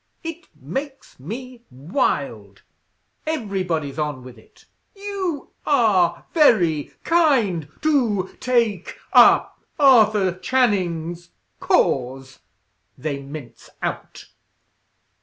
"It makes me wild. Everybody's on with it. 'You are very kind to take up Arthur Channing's cause!' they mince out.